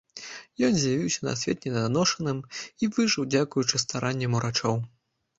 Ён з'явіўся на свет неданошаным і выжыў дзякуючы старанням урачоў.